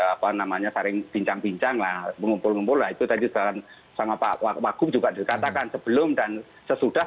apa namanya sering bincang bincang lah mengumpul ngumpul lah itu tadi sudah sama pak wagub juga dikatakan sebelum dan sesudah